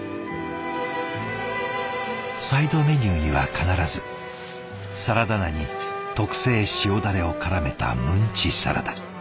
サイドメニューには必ずサラダ菜に特製塩ダレをからめたムンチサラダ。